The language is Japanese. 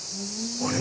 あれ？